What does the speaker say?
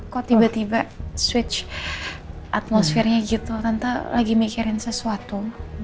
kok tiba tiba berubah atmosfernya gitu tante lagi mikirin sesuatu